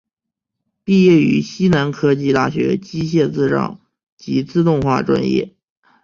毕业于西南科技大学机械制造及自动化专业。